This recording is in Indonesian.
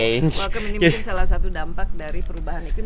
bahkan ini mungkin salah satu dampak dari perubahan iklim